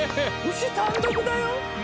牛単独だよ。